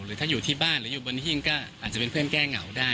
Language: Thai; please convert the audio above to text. ถ้าอยู่ที่บ้านหรืออยู่บนหิ้งก็อาจจะเป็นเพื่อนแก้เหงาได้